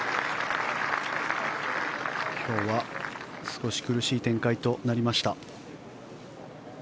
今日は少し苦しい展開となりました。